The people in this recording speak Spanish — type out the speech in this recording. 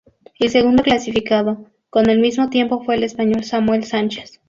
El segundo clasificado, con el mismo tiempo, fue el español Samuel Sánchez.